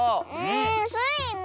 スイも！